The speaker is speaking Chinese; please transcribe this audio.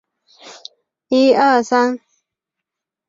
正统十三年九月二十一日戌时出生。